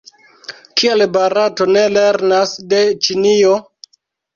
Kial Barato ne lernas de Ĉinio?